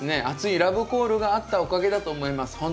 熱いラブコールがあったおかげだと思います。